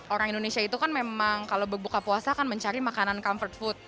orang indonesia itu kan memang kalau berbuka puasa kan mencari makanan comfort food